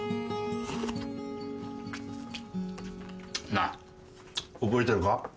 なあ覚えてるか？